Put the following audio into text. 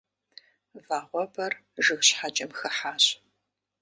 Вагъуэбэр жыг щхьэкӀэм хыхьащ.